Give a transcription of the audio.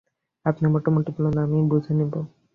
আপনি মোটামুটিভাবে বলুন, আমি বুঝে নেব।